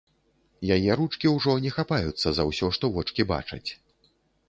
Яе ручкі ўжо не хапаюцца за ўсё, што вочкі бачаць.